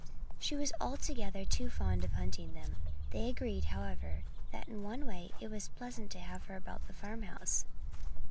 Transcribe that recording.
She was altogether too fond of hunting them. They agreed, however, that in one way it was pleasant to have her about the farmhouse.